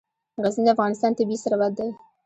غزني د افغانستان طبعي ثروت دی.